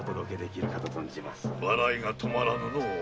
笑いがとまらんのう。